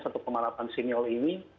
atau kemarapan sinyal ini